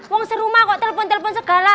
wong serumah kok telepon telepon segala